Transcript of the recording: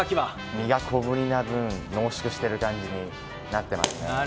身が小ぶりな分、濃縮した感じになってますね。